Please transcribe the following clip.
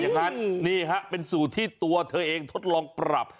ในนี่เป็นสูตรที่ตัวเธอเองทดลองปรับ